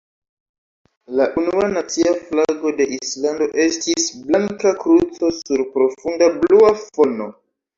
La unua nacia flago de Islando estis blanka kruco sur profunda blua fono.